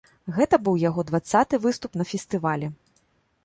Гэта быў яго дваццаты выступ на фестывалі.